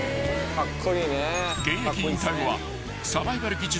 ［現役引退後はサバイバル技術を極め